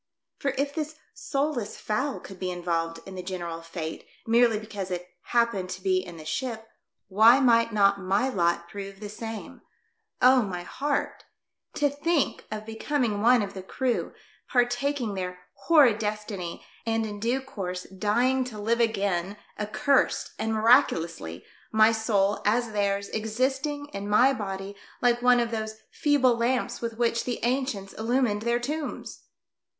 For if this soulless fowl could be involved in the general fate merely because it happened to be in the ship, why might not my lot prove the same ? Oh, my heart ! To think of becoming one of the crew, partaking their horrid destiny, and in due course dying to live again accurst and miraculously, my soul — as theirs — existing in my body like one of those feeble lamps with which the ancients illumined their tombs